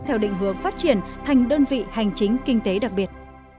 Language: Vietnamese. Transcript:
theo định hướng phát triển thành đơn vị hành chính kinh tế đặc biệt